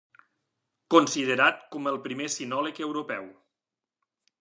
Considerat com el primer sinòleg europeu.